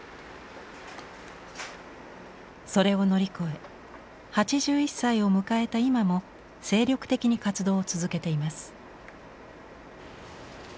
それを乗り越え８１歳を迎えた今も精力的に活動を続けています。